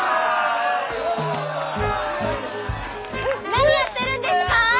何やってるんですか？